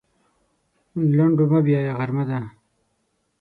لنډو مه بیایه غرمه ده.